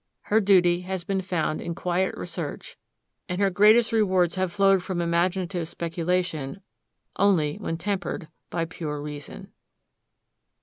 Her duty has been found in quiet research, and her greatest rewards have flowed from imaginative speculation, only when tempered by pure reason.